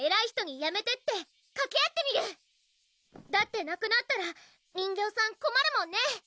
だってなくなったら人形さんこまるもんね！